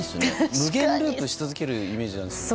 無限ループし続けるイメージなんですけど。